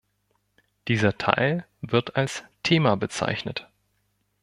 Dieser Teil wird als „Thema“ bezeichnet.